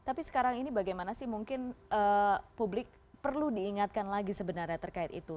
tapi sekarang ini bagaimana sih mungkin publik perlu diingatkan lagi sebenarnya terkait itu